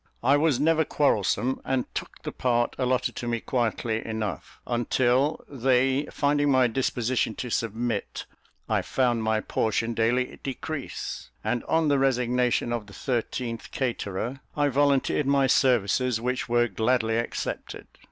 I was never quarrelsome, and took the part allotted to me quietly enough, until, they finding my disposition to submit, I found my portion daily decrease, and on the resignation of the thirteenth caterer, I volunteered my services, which were gladly accepted.